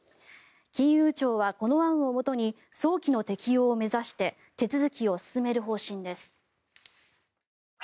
金融庁はこの案をもとに早期の適用を目指して手続きを進める方針です。